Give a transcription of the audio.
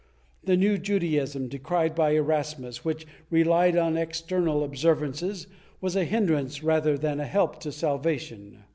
The new Judaism, decried by Erasmus, which relied on external observances, was a hindrance rather than a help to salvation.